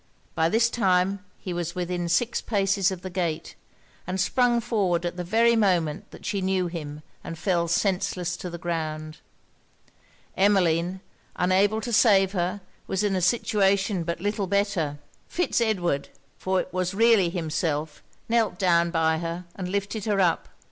By this time he was within six paces of the gate; and sprung forward at the very moment that she knew him, and fell senseless on the ground. Emmeline, unable to save her, was in a situation but little better. Fitz Edward, for it was really himself, knelt down by her, and lifted her up.